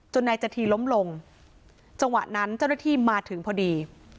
นายจธีล้มลงจังหวะนั้นเจ้าหน้าที่มาถึงพอดี